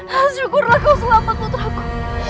sesyukurlah kau selamat putraku